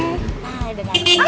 nah udah datang